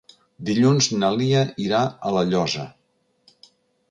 Dilluns na Lia irà a La Llosa.